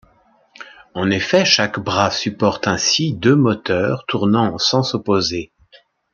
En effet, chaque bras supporte ainsi deux moteurs, tournant en sens opposés.